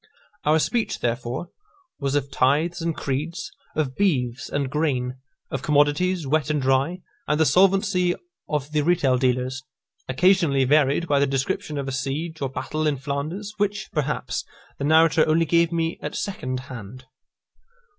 Our speech, therefore, was of tithes and creeds, of beeves and grain, of commodities wet and dry, and the solvency of the retail dealers, occasionally varied by the description of a siege, or battle, in Flanders, which, perhaps, the narrator only gave me at second hand.